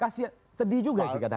sedih juga sih kadang kadang